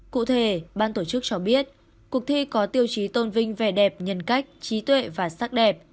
cụ thể ban tổ chức cho biết cuộc thi có tiêu chí tôn vinh vẻ đẹp nhân cách trí tuệ và sắc đẹp